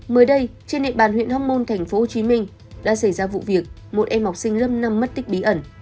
mới đây trên địa bàn huyện hóc môn thành phố hồ chí minh đã xảy ra vụ việc một em học sinh lớp năm mất tích bí ẩn